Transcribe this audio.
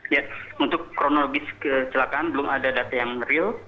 ya untuk kronologis kecelakaan belum ada data yang real